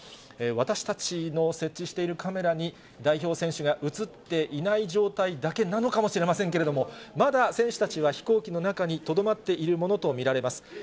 私たちの設置しているカメラに、代表選手が映っていない状態だけなのかもしれませんけれども、まだ選手たちは飛行機の中にとどまっているものと見られます。